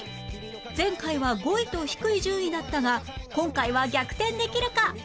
前回は５位と低い順位だったが今回は逆転できるか？